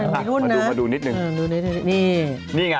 ไม่หุ้นนะมาดูนิดหนึ่งนี่นี่ไง